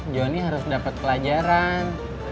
jonny harus dapet pelajaran